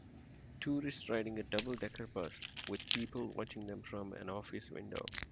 Tourists riding a double decker bus with people watching them from an office window.